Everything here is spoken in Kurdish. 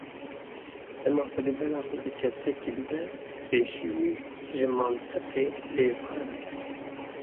Dema Xwedê bela xwe bi kesekî dide, pêşî wî ji mantiqê bêpar dike.